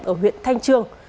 ở huyện thanh trương